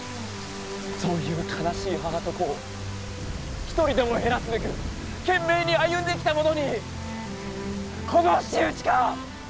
そういう悲しい母と子を一人でも減らすべく懸命に歩んできた者にこの仕打ちか！？